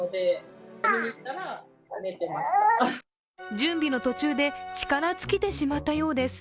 準備の途中で力尽きてしまったようです。